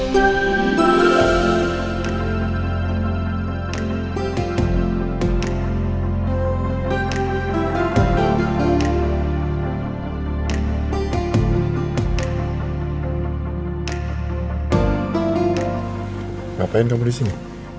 ngapain kamu disini